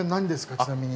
ちなみに。